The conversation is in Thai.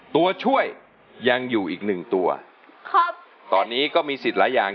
ตัวช่วยยังอยู่อีกหนึ่งตัวครับตอนนี้ก็มีสิทธิ์หลายอย่าง